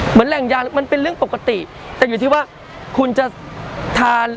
แหล่งยามันเป็นเรื่องปกติแต่อยู่ที่ว่าคุณจะทาน